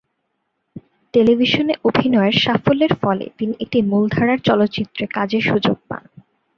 টেলিভিশনে অভিনয়ের সাফল্যের ফলে তিনি একটি মূলধারার চলচ্চিত্রে কাজের সুযোগ পান।